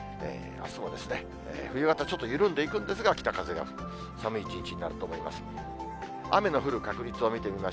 あすも冬型、ちょっと緩んでいくんですが、北風が吹く、寒い一日になると思います。